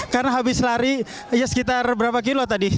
karena habis lari sekitar berapa kilo tadi